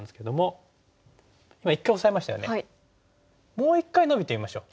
もう一回ノビてみましょう。